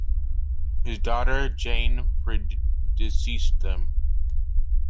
His daughter Jane pre-deceased him.